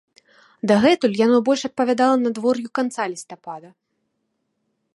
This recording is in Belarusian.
Дагэтуль яно больш адпавядала надвор'ю канца лістапада.